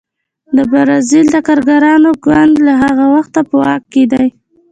د بزازیل د کارګرانو ګوند له هغه وخته په واک کې دی.